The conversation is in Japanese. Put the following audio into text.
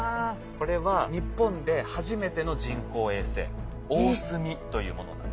これは日本で初めての人工衛星「おおすみ」というものなんです。